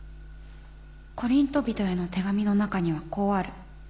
コリント人への手紙の中にはこうある。